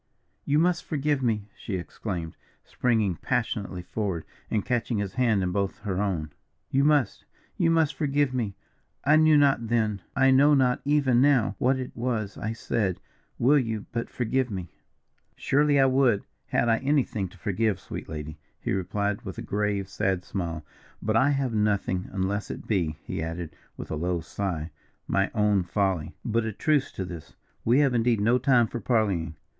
"You must forgive me," she exclaimed, springing passionately forward, and catching his hand in both her own, "you must you must forgive me. I knew not then, I know not even now, what it was I said will you but forgive me?" "Surely I would, had I anything to forgive, sweet lady," he replied, with a grave, sad smile. "But I have nothing, unless it be," he added, with a low sigh, "my own folly. But a truce to this, we have indeed no time for parleying.